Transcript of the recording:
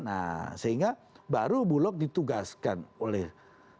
nah sehingga baru bulog ditugaskan oleh keputusan itu